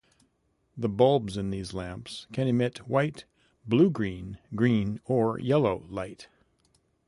The bulbs in these lamps can emit white, blue-green, green or yellow light.